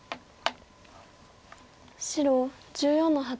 白１４の八。